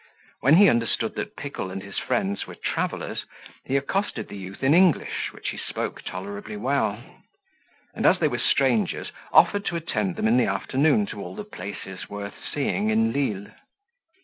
When he understood that Pickle and his friends were travellers, he accosted the youth in English, which he spoke tolerably well; and, as they were strangers, offered to attend them in the afternoon to all the places worth seeing in Lisle.